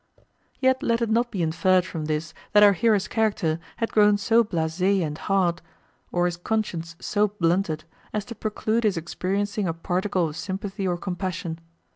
Yet let it not be inferred from this that our hero's character had grown so blase and hard, or his conscience so blunted, as to preclude his experiencing a particle of sympathy or compassion.